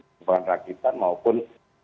penembakan rakitan maupun